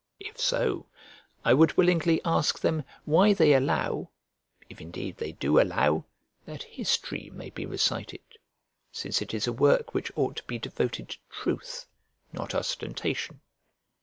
If so, I would willingly ask them why they allow (if indeed they do allow) that history may be recited, since it is a work which ought to be devoted to truth, not ostentation?